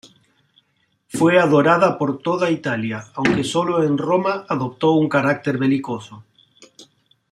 Fue adorada por toda Italia, aunque solo en Roma adoptó un carácter belicoso.